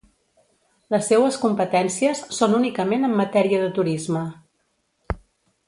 Les seues competències són únicament en matèria de turisme.